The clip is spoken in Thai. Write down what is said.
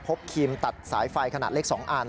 ครีมตัดสายไฟขนาดเล็ก๒อัน